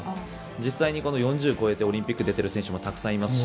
実際に４０超えてオリンピックに出ている選手もたくさんいますし。